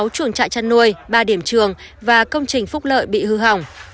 sáu chuồng trại chăn nuôi ba điểm trường và công trình phúc lợi bị hư hỏng